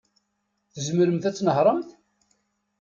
Tzemremt ad tnehṛemt?